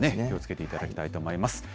気をつけていただきたいと思います。